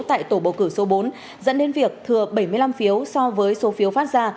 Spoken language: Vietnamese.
tại tổ bầu cử số bốn dẫn đến việc thừa bảy mươi năm phiếu so với số phiếu phát ra